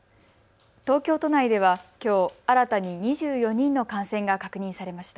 東京都内では、きょう新たに２４人の感染が確認されました。